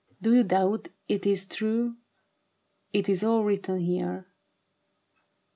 Do you doubt it is true ? It is all written here.